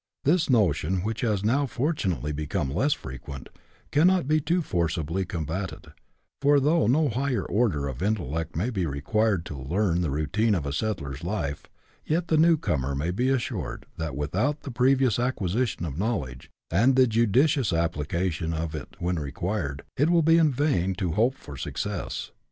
This notion, which has now fortunately become less frequent, cannot be too forcibly combated ; for though no high order of intellect may be required to learn the routine of a settler's life, yet the new comer may be assured, that without the previous acquisition of knowledge, and the judicious application of it when acquired, it will be in vain to hope for success.